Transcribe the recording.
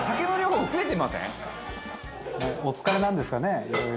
「お疲れなんですかねいろいろ」